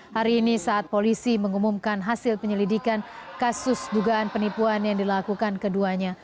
hari ini saat polisi mengumumkan hasil penyelidikan kasus dugaan penipuan yang dilakukan keduanya